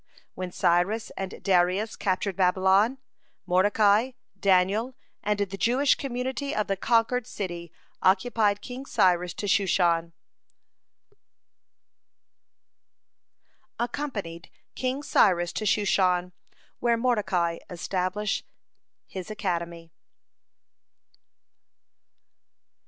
When Cyrus and Darius captured Babylon, Mordecai, Daniel, and the Jewish community of the conquered city accompanied King Cyrus to Shushan, where Mordecai established his academy.